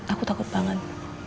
aku takut banget